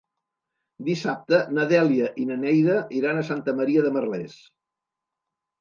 Dissabte na Dèlia i na Neida iran a Santa Maria de Merlès.